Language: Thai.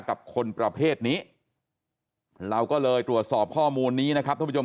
กับคนประเภทนี้เราก็เลยตรวจสอบข้อมูลนี้นะครับท่านผู้ชม